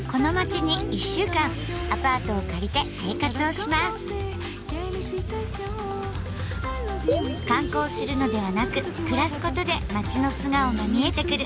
この街に観光するのではなく暮らすことで街の素顔が見えてくる。